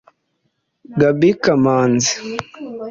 Gaby Kamanzi